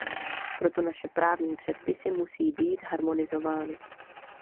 Proto naše právní předpisy musí být harmonizovány.